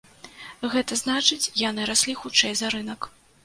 Гэта значыць, яны раслі хутчэй за рынак.